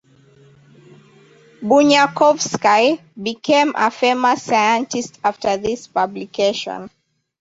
Bunyakovsky became a famous scientist after this publication.